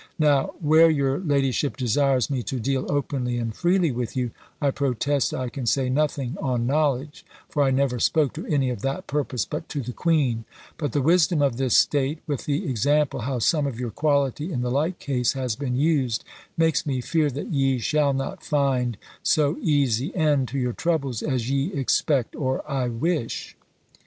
Now, where your ladyship desires me to deal openly and freely with you, I protest I can say nothing on knowledge, for I never spoke to any of that purpose but to the queen; _but the wisdom of this state, with the example how some of your quality in the like case has been used, makes me fear that ye shall not find so easy end to your troubles as ye expect or I wish_."